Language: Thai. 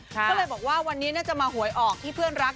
ก็เลยบอกว่าวันนี้น่าจะมาหวยออกที่เพื่อนรัก